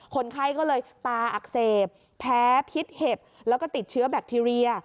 คนไข้ก็เลยตาอักเสบแพ้พิษเห็บแล้วก็ติดเชื้อแบคทีเรีย